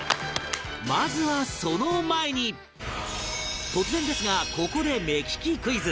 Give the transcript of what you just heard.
まずは突然ですがここで目利きクイズ